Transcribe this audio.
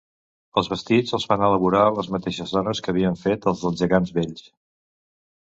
Els vestits els van elaborar les mateixes dones que havien fet els dels gegants vells.